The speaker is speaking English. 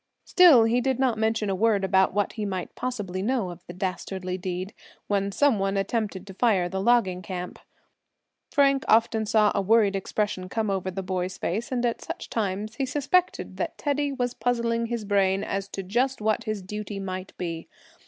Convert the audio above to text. Still, he did not mention a word about what he might possibly know of the dastardly deed, when some one attempted to fire the logging camp. Frank often saw a worried expression come over the boy's face, and at such times he suspected that Teddy was puzzling his brain as to just what his duty might be.